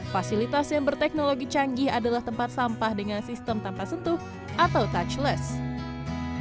fasilitas yang berteknologi canggih adalah tempat sampah dengan sistem tanpa sentuh atau touchless